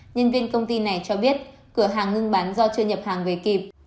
nhân viên công ty này cho biết cửa hàng ngưng bán do chưa nhập hàng về kịp